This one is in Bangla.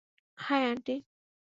হায়, আন্টি।